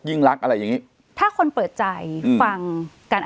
ยิ่งรักอะไรอย่างงี้ถ้าคนเปิดใจฟังการ